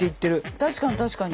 確かに確かに。